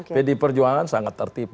pdi perjuangan sangat tertipu